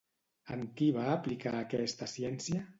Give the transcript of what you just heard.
En qui va aplicar aquesta ciència?